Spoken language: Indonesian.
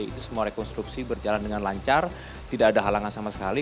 itu semua rekonstruksi berjalan dengan lancar tidak ada halangan sama sekali